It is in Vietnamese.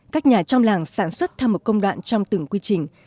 các nhà trong làng sản xuất theo một công đoạn trong từng quy trình